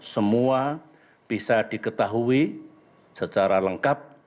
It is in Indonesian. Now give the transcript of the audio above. semua bisa diketahui secara lengkap